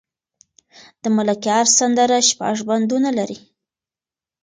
د ملکیار سندره شپږ بندونه لري.